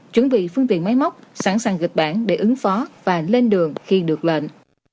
chuẩn bị phương tiện máy móc sẵn sàng kịch bản để ứng phó và lên đường khi được lệnh